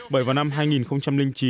bởi vào năm hai nghìn chín